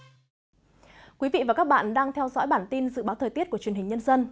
thưa quý vị và các bạn đang theo dõi bản tin dự báo thời tiết của truyền hình nhân dân